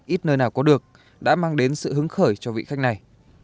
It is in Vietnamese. ít nơi nào có được đã mang đến sự hứng khởi cho vị khách này